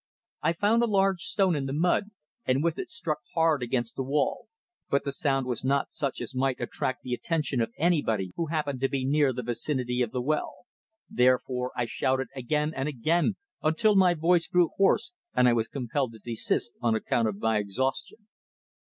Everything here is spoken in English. I found a large stone in the mud, and with it struck hard against the wall. But the sound was not such as might attract the attention of anybody who happened to be near the vicinity of the well. Therefore I shouted and shouted again until my voice grew hoarse, and I was compelled to desist on account of my exhaustion.